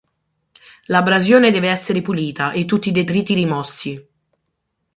L'abrasione deve essere pulita e tutti i detriti rimossi.